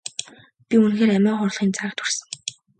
Би үнэхээр амиа хорлохын заагт хүрсэн.